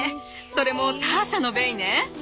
それもターシャのベイね！